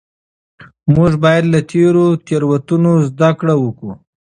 موږ باید له تیرو تېروتنو زده کړه وکړو.